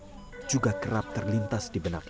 perasaan khawatir juga kerap terlintas di benak ajo